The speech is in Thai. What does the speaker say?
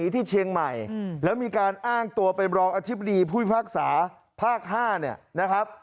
ที่เชียงใหม่แล้วมีการอ้างตัวเป็นรองอธิบดีผู้พิพากษาภาค๕เนี่ยนะครับ